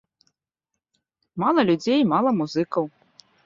Мала людзей, мала музыкаў.